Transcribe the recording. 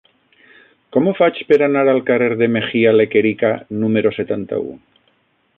Com ho faig per anar al carrer de Mejía Lequerica número setanta-u?